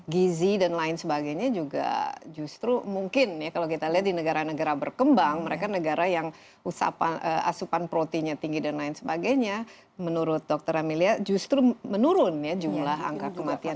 gizi dan lain sebagainya juga justru mungkin ya kalau kita lihat di negara negara berkembang mereka negara yang asupan proteinnya tinggi dan lain sebagainya menurut dokter amelia justru menurun ya jumlah angka kematian